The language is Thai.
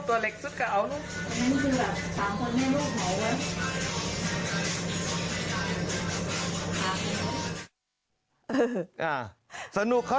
มันก็คือแหละสามคนให้ลูกหล่อไว้